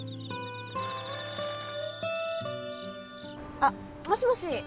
☎あっもしもし。